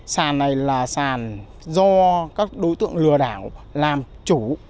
sàn này là sàn do các đối tượng lừa đảo làm chủ